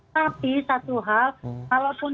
tapi satu hal kalau pun